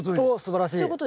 おすばらしい。